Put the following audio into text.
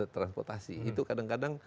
transportasi itu kadang kadang